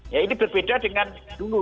ya ini berbeda dengan dulu